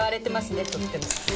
ねとっても。